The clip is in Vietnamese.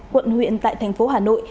quận huyện tại thành phố hà nội